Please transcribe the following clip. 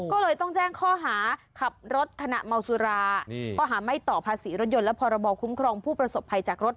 ก็เลยต้องแจ้งข้อหาขับรถขณะเมาสุราข้อหาไม่ต่อภาษีรถยนต์และพรบคุ้มครองผู้ประสบภัยจากรถ